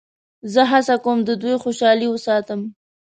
زه هڅه کوم د دوی خوشحالي وساتم.